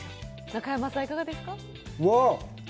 中山さん、いかがですか？